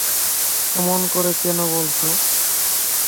এমন করে কেন বলছো?